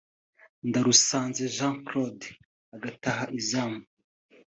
Ndarusanze Jean Claude agataha izamu